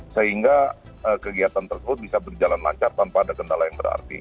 sehingga kegiatan tersebut bisa berjalan lancar tanpa ada kendala yang berarti